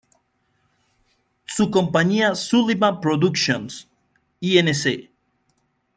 Su compañía Sullivan Productions, Inc.